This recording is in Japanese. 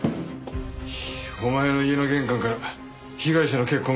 お前の家の玄関から被害者の血痕が見つかった。